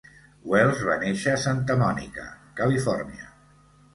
Welles va néixer a Santa Monica, Califòrnia.